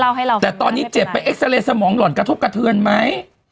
เล่าให้เราแต่ตอนนี้เจ็บไปสมองหล่อนกระทบกระเทือนไหมอ๋อ